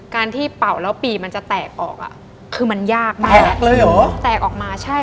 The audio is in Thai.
การที่เป่าแล้วปีมันจะแตกออก